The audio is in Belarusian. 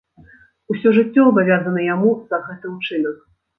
Усё жыццё абавязаны яму за гэты ўчынак.